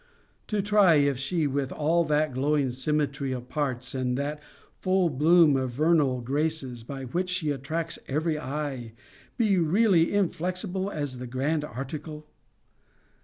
To try if she, with all that glowing symmetry of parts, and that full bloom of vernal graces, by which she attracts every eye, be really inflexible as to the grand article?